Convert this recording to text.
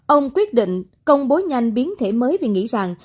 ông quyết định công bố nhanh biến thể mới vì nghĩ rằng